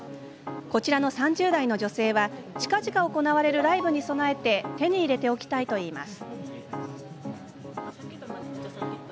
こちらの３０代の女性は近々行われるライブに備えて手に入れておきたいのだといいます。